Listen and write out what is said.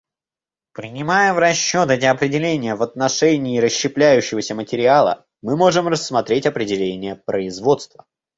Принимая в расчет эти определения в отношении расщепляющегося материала, мы можем рассмотреть определение "производства".